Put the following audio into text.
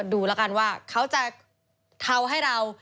ดูแล้วกันว่าเขาจะทำให้เรา